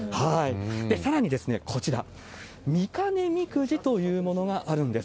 さらに、こちら、御金みくじというものがあるんです。